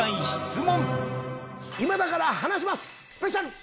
『今だから話しますスペシャル』！